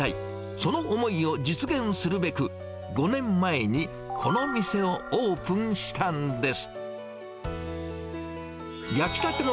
その思いを実現するべく、５年前にこの店をオープンしたんです。